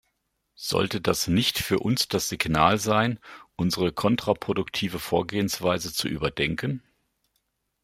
Sollte das nicht für uns das Signal sein, unsere kontraproduktive Vorgehensweise zu überdenken?